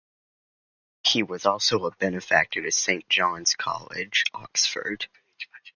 He was also a benefactor to Saint John's College, Oxford.